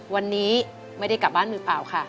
วันนี้ไม่ได้กลับบ้านมือเปล่าค่ะ